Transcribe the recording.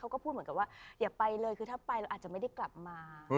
พูดเหมือนกับว่าอย่าไปเลยคือถ้าไปเราอาจจะไม่ได้กลับมา